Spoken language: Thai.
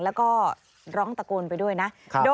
แล้วก็ร้องตะโกนไปด้วยนะ